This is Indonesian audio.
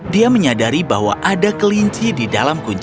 dia menyadari bahwa ada kelinci di dalam kuncinya